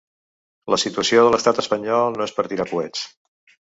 La situació de l’estat espanyol no és per a tirar coets.